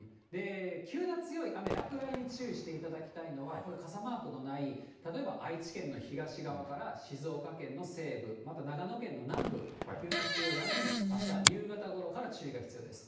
急な強い雨、落雷に注意していただきたいのはこれ、傘マークのない、例えば愛知県の東側から静岡県の西部、また長野県の南部、急な強い雨に、あした夕方ごろから注意が必要です。